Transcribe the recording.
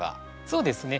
そうですね。